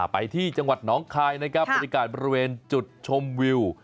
ไปที่จังหวัดหนองคายนะครับบรรยากาศบริเวณจุดชมวิว